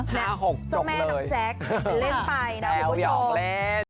หน้า๖จบเลยแม่น้องแซคเล่นไปนะคุณผู้ชมแปลวหยอกเล่น